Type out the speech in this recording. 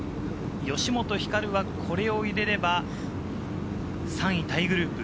吉本ひかるは、これを入れれば、３位タイグループ。